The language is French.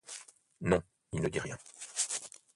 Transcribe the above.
Non, il ne dit rien.